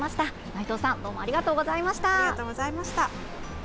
内藤さんどうもありがとうございました。